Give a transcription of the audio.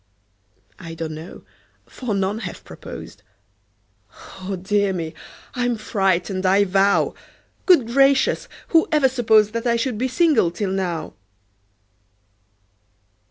I don't know for none have proposed Oh, dear me! I'm frightened, I vow! Good gracious! who ever supposed That I should be single till now?